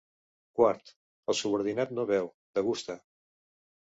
Quart: el subordinat no beu, degusta.